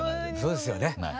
そうですよね。